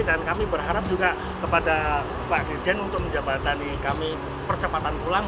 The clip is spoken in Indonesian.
dan kami berharap juga kepada pak dirjen untuk menjabatkan kami percepatan pulang